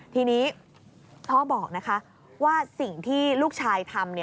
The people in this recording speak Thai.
ทีนี้พ่อบอกนะคะว่าสิ่งที่ลูกชายทำ